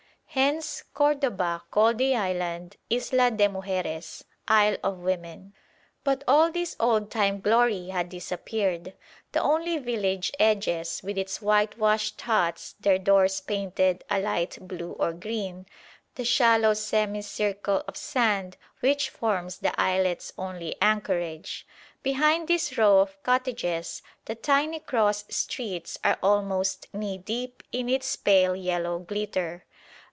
Hence Cordoba called the island Isla de Mujeres Isle of Women. But all this old time glory has disappeared. The only village edges with its whitewashed huts, their doors painted a light blue or green, the shallow semicircle of sand which forms the islet's only anchorage; behind this row of cottages the tiny cross streets are almost knee deep in its pale yellow glitter.